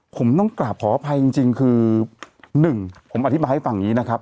ผมต้องกลับขออภัยจริงคือหนึ่งผมอธิบายให้ฟังอย่างนี้นะครับ